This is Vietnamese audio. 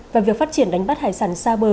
và việc phát triển đánh bắt hải sản xa bờ